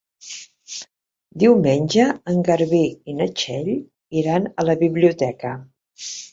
Diumenge en Garbí i na Txell iran a la biblioteca.